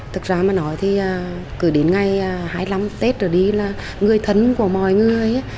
thực ra mà nói thì cứ đến ngày hai mươi năm tết trở đi là người thân của mọi người